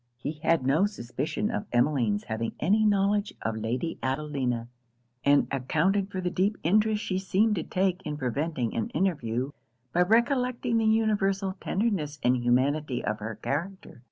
He had no suspicion of Emmeline's having any knowledge of Lady Adelina; and accounted for the deep interest she seemed to take in preventing an interview, by recollecting the universal tenderness and humanity of her character.